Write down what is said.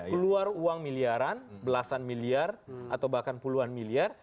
keluar uang miliaran belasan miliar atau bahkan puluhan miliar